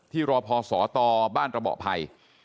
ที่รอพอสอตอบ้านระเบาะภัย